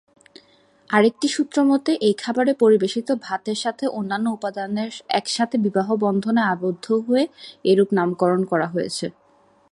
আরেকটি সূত্রমতে, এই খাবারের পরিবেশিত ভাতের সাথে অন্যান্য উপাদান একসাথে বিবাহ বন্ধনে আবদ্ধ হয়ে এরূপ নামকরণ করা হয়েছে।